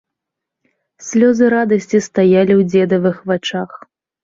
Слёзы радасці стаялі ў дзедавых вачах.